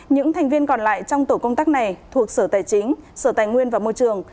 những thành viên còn lại trong tổ công tác này thuộc sở tài chính sở tài nguyên và môi trường